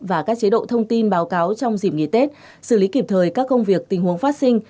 và các chế độ thông tin báo cáo trong dịp nghỉ tết xử lý kịp thời các công việc tình huống phát sinh